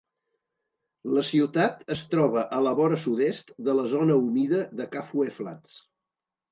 La ciutat es troba a la vora sud-est de la zona humida de Kafue Flats.